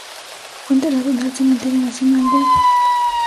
Fue enterrado en el Cementerio Nacional de.